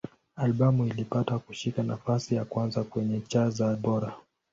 Albamu ilipata kushika nafasi ya kwanza kwenye cha za Bora.